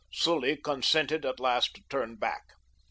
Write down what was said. Sully consented at last to turn back.